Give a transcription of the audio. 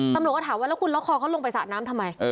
ตำรวจเข้ามาถามว่าลอกคอเขาลงไปสระใส่เข้าไปที่สระไหม